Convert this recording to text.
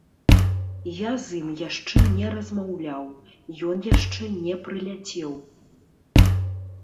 Я з ім яшчэ не размаўляў, ён яшчэ не прыляцеў.